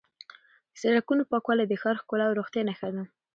د سړکونو پاکوالی د ښار ښکلا او روغتیا نښه ده.